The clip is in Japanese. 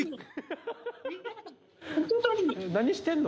何してるの？